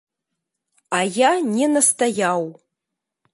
А я не настаяў.